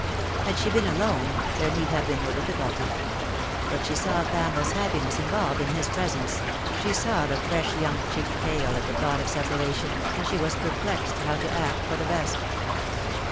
Had she been alone there need have been no difficulty ; but she saw Pamela's happiness involved in his presence, she saw the fresh young eheek pale at the thought of separation, and she was perplexed how to act for the best.